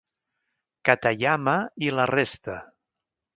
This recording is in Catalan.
Katayama i la resta.